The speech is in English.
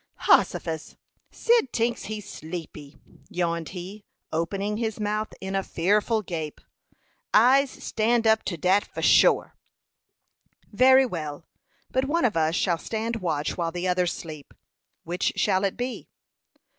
"Hossifus! Cyd tinks he's sleepy," yawned he, opening his mouth in a fearful gape. "I's stand up to dat, for shore." "Very well; but one of us shall stand watch while the others sleep. Which shall it be?"